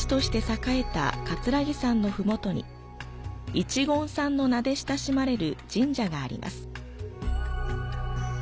一言さんの名で親しまれる神社があります。